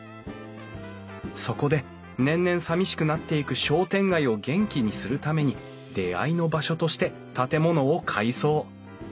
そこで年々さみしくなっていく商店街を元気にするために出会いの場所として建物を改装。